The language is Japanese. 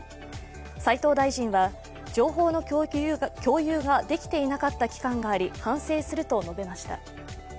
斉藤大臣は情報の共有ができていなかった期間があり、反省すると述べました。